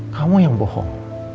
kamu yang bohong